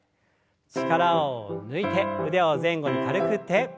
力を抜いて腕を前後に軽く振って。